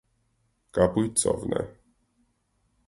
Կապույտ ծովն է։